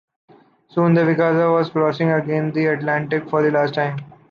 Soon the “Vizcaya” was crossing again the Atlantic for the last time.